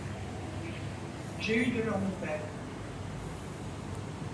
j'ai eu de leurs nouvelles.